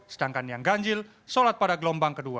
sedangkan yang ganjil sholat pada gelombang kedua